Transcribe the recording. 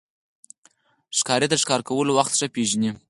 ښکاري د ښکار کولو وخت ښه پېژني.